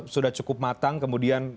sudah cukup matang kemudian